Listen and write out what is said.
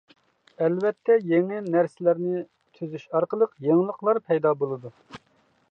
ئەلۋەتتە، يېڭى نەرسىلەرنى تۈزۈش ئارقىلىق يېڭىلىقلار پەيدا بولىدۇ.